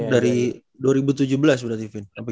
dari dua ribu tujuh belas udah tiffin